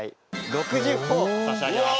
６０ほぉ差し上げます。